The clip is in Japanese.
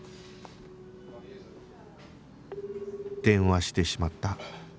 電話してしまった